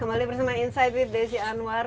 kembali bersama insight with desi anwar